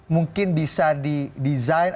mungkin bisa di design